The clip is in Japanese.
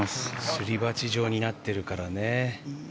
すり鉢状になっているからね。